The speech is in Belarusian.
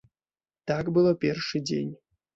Так было першы дзень.